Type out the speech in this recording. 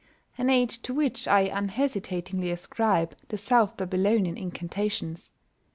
an age to which I unhesitatingly ascribe the South Babylonian incantations."...